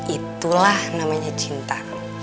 itulah namanya cinta